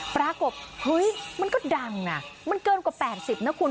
ปรากฏเฮ้ยมันก็ดังนะมันเกินกว่า๘๐นะคุณ